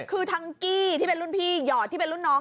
คือทั้งกี้ที่เป็นรุ่นพี่หยอดที่เป็นรุ่นน้อง